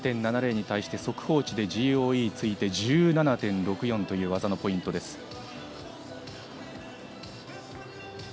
１３．７０に対して速報値でＧＯＥがついて１７．６４という技のポイントです。